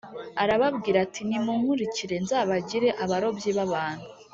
Arababwira ati “Nimunkurikire nzabagire abarobyi b’abantu.”